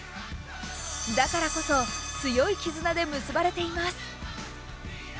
だからこそ、強い絆で結ばれています。